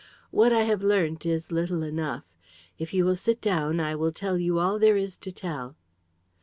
What I have learnt is little enough. If you will sit down I will tell you all there is to tell."